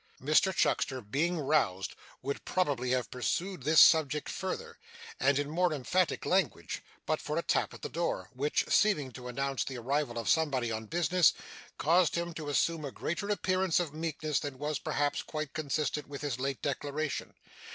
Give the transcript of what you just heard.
Mr Chuckster being roused, would probably have pursued this subject further, and in more emphatic language, but for a tap at the door, which seeming to announce the arrival of somebody on business, caused him to assume a greater appearance of meekness than was perhaps quite consistent with his late declaration.